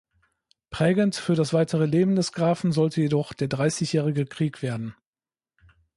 Prägend für das weitere Leben des Grafen sollte jedoch der Dreißigjährige Krieg werden.